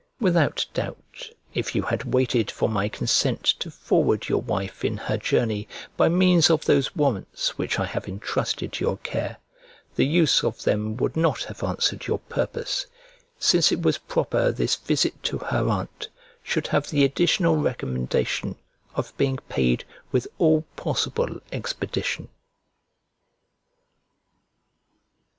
Without doubt, if you had waited for my consent to forward your wife in her journey by means of those warrants which I have entrusted to your care, the use of them would not have answered your purpose; since it was proper this visit to her aunt should have the additional recommendation of being paid with all possible expedition.